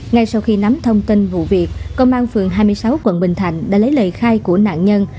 ngay sau khi nắm thông tin vụ việc công an phường hai mươi sáu quận bình thạnh đã lấy lời khai của nạn nhân